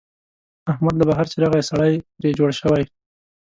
احمد له بهر چې راغی، سړی ترې جوړ شوی.